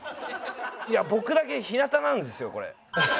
いや僕だけ日なたなんですよこれ。